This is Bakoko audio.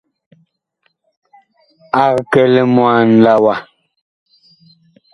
Ag kɛ limwaan la wa.